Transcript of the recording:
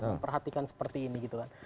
memperhatikan seperti ini gitu kan